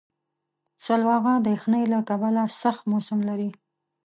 سلواغه د یخنۍ له کبله سخت موسم لري.